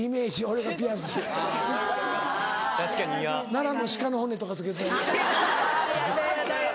奈良の鹿の骨とか着けてたら。